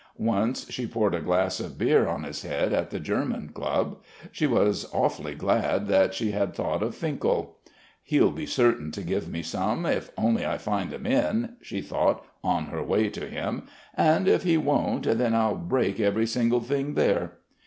Once she poured a glass of beer on his head at the German dub. She was awfully glad that she had thought of Finkel. "He'll be certain to give me some, if only I find him in..." she thought, on her way to him. "And if he won't, then I'll break every single thing there."